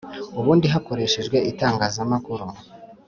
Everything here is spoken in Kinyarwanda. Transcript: ubundi hakoreshejwe itangazamakuru,